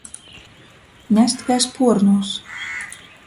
Nest kai spuornūs.